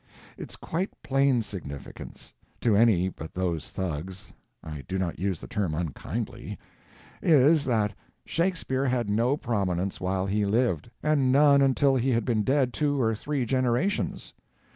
Its quite plain significance—to any but those thugs (I do not use the term unkindly) is, that Shakespeare had no prominence while he lived, and none until he had been dead two or three generations.